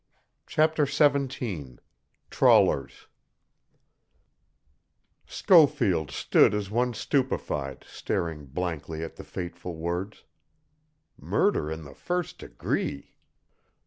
CHAPTER XVII TRAWLERS Schofield stood as one stupefied, staring blankly at the fateful words. Murder in the first degree!